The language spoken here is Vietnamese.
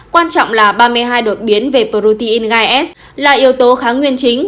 quan trọng là ba mươi hai đột biến về protein gai s là yếu tố kháng nguyên chính